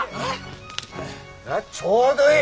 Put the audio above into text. ちょうどいい。